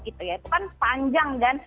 itu kan panjang dan